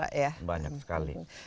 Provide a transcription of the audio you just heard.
ya di sini banyak atlet atlet yang juara